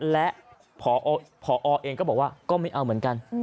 และพอเองก็บอกว่าก็ไม่เอาเหมือนกัน